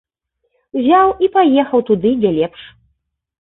Узяў і паехаў туды, дзе лепш.